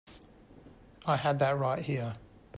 I had that right here.